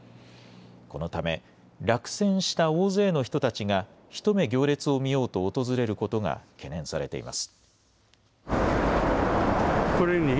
このため、落選した大勢の人たちが、一目行列を見ようと訪れることが懸念されています。